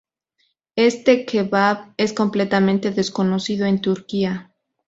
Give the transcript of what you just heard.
Este kebab es completamente desconocido en Turquía.